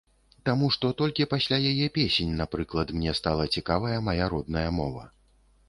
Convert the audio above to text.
Таму што толькі пасля яе песень, напрыклад, мне стала цікавая мая родная мова.